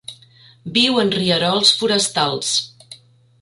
Viu en rierols forestals.